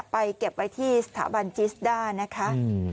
เก็บไว้ที่สถาบันจิสด้านะคะ